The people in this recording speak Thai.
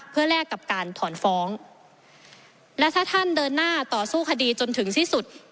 เพื่อแลกกับการถอนฟ้องและถ้าท่านเดินหน้าต่อสู้คดีจนถึงที่สุด